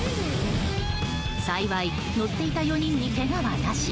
幸い乗っていた４人にけがはなし。